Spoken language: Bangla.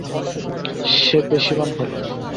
সে পেশিবান হলো।